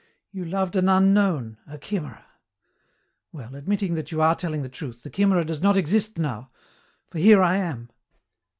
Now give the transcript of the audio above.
You loved an unknown, a chimera. Well, admitting that you are telling the truth, the chimera does not exist now, for here I am."